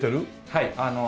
はい。